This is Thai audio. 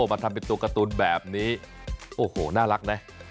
มาทำเป็นตัวการ์ตูนแบบนี้โอ้โหน่ารักนะ